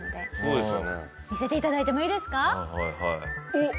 おっ！